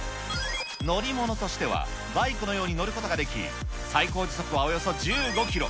乗り物としては、バイクのように乗ることができ、最高時速はおよそ１５キロ。